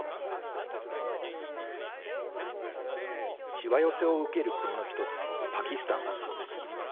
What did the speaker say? しわ寄せを受ける国の１つパキスタン。